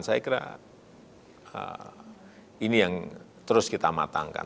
saya kira ini yang terus kita matangkan